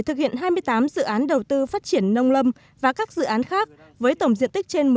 thực hiện hai mươi tám dự án đầu tư phát triển nông lâm và các dự án khác với tổng diện tích trên một mươi chín chín trăm linh